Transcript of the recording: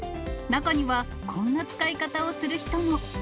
中には、こんな使い方をする人も。